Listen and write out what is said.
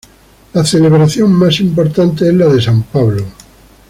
La celebración más importante es la de San Pablo.